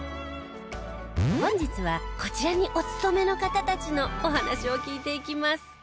本日はこちらにお勤めの方たちのお話を聞いていきます。